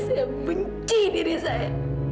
saya benci diri saya